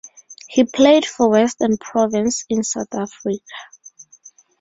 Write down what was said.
He played for Western Province in South Africa.